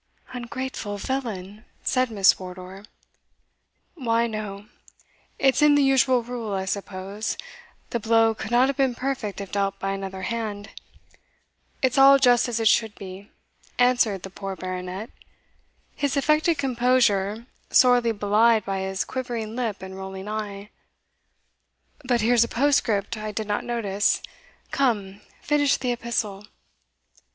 "Ungrateful villain!" said Miss Wardour. "Why, no it's in the usual rule, I suppose; the blow could not have been perfect if dealt by another hand it's all just as it should be," answered the poor Baronet, his affected composure sorely belied by his quivering lip and rolling eye "But here's a postscript I did not notice come, finish the epistle."